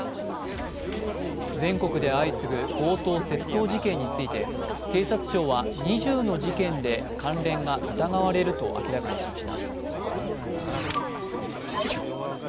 全国で相次ぐ強盗・窃盗事件について警察庁は２０の事件で関連が疑われると明らかにしました。